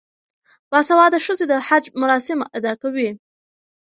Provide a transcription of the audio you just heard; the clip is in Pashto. باسواده ښځې د حج مراسم ادا کوي.